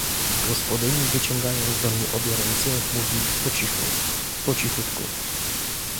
"Gospodyni wyciągając do niej obie ręce, mówi po cichu, po cichutku."